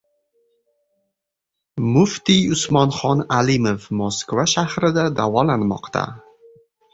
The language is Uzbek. Muftiy Usmonxon Alimov Moskva shahrida davolanmoqda